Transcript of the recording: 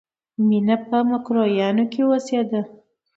مینه په مکروریانو کې اوسېده